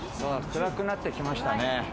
暗くなってきましたね。